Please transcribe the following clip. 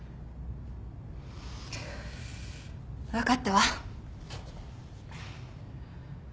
分かったわ。